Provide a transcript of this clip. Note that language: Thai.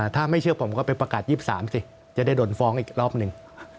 ถ้าไม่เชื่อผมก็ไปประกาศ๒๓สิจะได้โดนฟ้องอีกรอบหนึ่ง